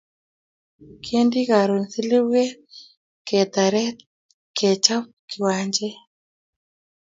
Kiendi karun Silibwet ketaret Kechap kiwanjet